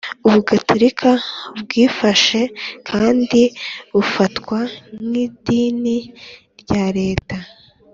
ubugatolika bwifashe kandi bufatwa nk'idini rya leta,